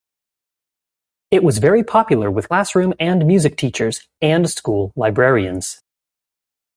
It was very popular with classroom and music teachers and school librarians.